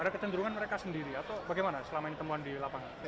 ada kecenderungan mereka sendiri atau bagaimana selama ini temuan di lapangan